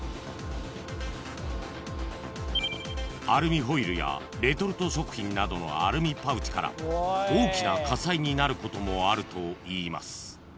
［アルミホイルやレトルト食品などのアルミパウチから大きな火災になることもあるといいます］